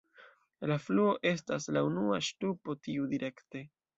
La fluo estas la unua ŝtupo tiudirekte.